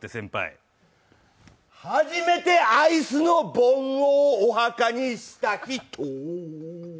初めてアイスの棒をお墓にした人。